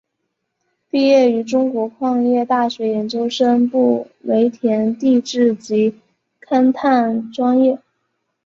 毕业于中国矿业大学研究生部煤田地质及勘探专业。